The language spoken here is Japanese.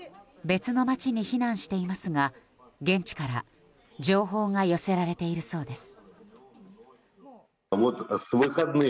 別の街に避難していますが現地から情報が寄せられているそうです。